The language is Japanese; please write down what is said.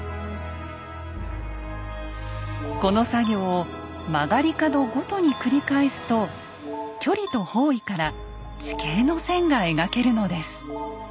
この作業を曲がり角ごとに繰り返すと距離と方位から地形の線が描けるのです。